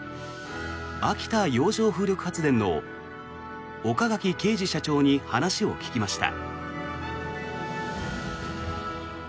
秋田洋上風力発電の岡垣啓司社長に話を聞きました。